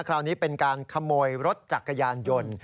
คราวนี้เป็นการขโมยรถจักรยานยนต์